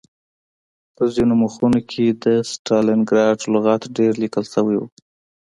په ځینو مخونو کې د ستالنګراډ لغت ډېر لیکل شوی و